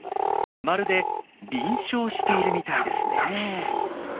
まるで「輪唱」しているみたいですね。